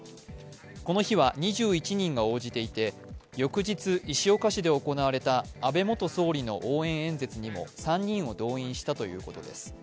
この日は２１人が応じていて、翌日、石岡市で行われた安倍元総理の応援演説にも３人を動員したということです。